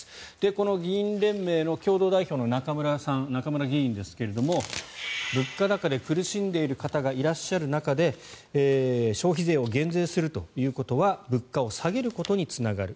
この議員連盟の共同代表の中村議員ですが物価高で苦しんでいる方がいらっしゃる中で消費税を減税するということは物価を下げることにつながる。